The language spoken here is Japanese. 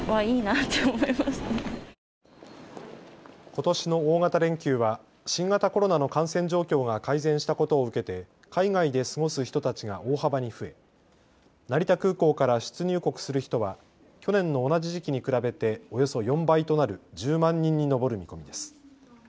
ことしの大型連休は新型コロナの感染状況が改善したことを受けて海外で過ごす人たちが大幅に増え成田空港から出入国する人は去年の同じ時期に比べておよそ４倍となる１０万人に上る見込みです。